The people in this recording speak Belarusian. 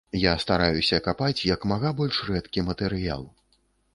Я стараюся капаць як мага больш рэдкі матэрыял.